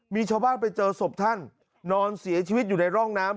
มีชาวบ้านไปเจอศพท่านนอนเสียชีวิตอยู่ในร่องน้ำ